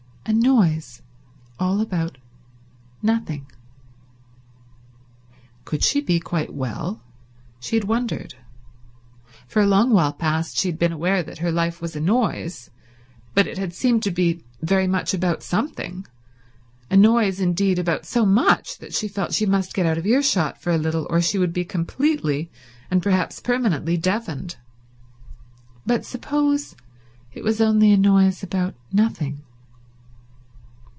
A noise all about nothing. Could she be quite well? She had wondered. For a long while past she had been aware that her life was a noise, but it had seemed to be very much about something; a noise, indeed, about so much that she felt she must get out of earshot for a little or she would be completely, and perhaps permanently, deafened. But suppose it was only a noise about nothing?